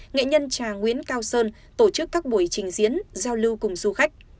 nghệ nhân trà nguyễn cao sơn tổ chức các buổi trình diễn giao lưu cùng du khách